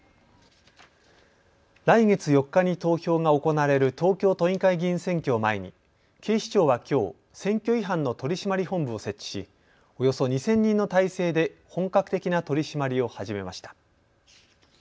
来月４日に投票が行われる東京都議会議員選挙を前に警視庁はきょう選挙違反の取締本部を設置しおよそ２０００人の態勢で本格的な取締りを始めました。